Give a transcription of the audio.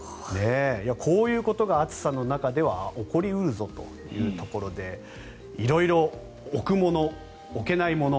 こういうことが暑さの中では起こり得るぞというところで色々、置くもの、置けないもの